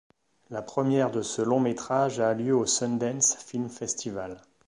La première de ce long métrage a lieu au Sundance Film Festival.